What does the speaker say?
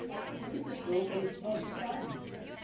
'' Look at this little baby bud beside me.